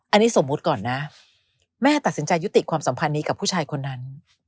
อันนี้สมมุติก่อนนะแม่ตัดสินใจยุติความสัมพันธ์นี้กับผู้ชายคนนั้น